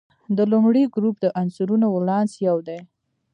د لومړي ګروپ د عنصرونو ولانس یو دی.